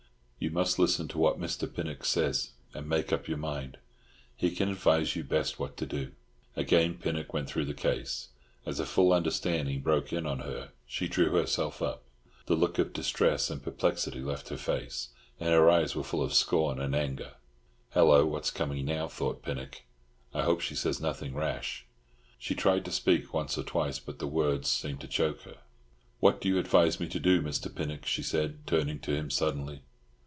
"You must listen to what Mr. Pinnock says, and make up your mind. He can advise you best what to do." Again Pinnock went through the case. As a full understanding broke in on her, she drew herself up; the look of distress and perplexity left her face, and her eyes were full of scorn and anger. "Hello, what's coming now?" thought Pinnock. "I hope she says nothing rash." She tried to speak once or twice, but the words seemed to choke her. "What do you advise me to do, Mr. Pinnock?" she said, turning to him suddenly.